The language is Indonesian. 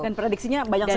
dan prediksinya banyak sekali